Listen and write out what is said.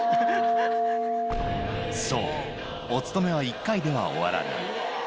そう、お勤めは１回では終わらない。